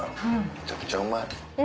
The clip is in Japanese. めちゃくちゃうまい。